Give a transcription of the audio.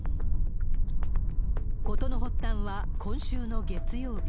事の発端は今週の月曜日。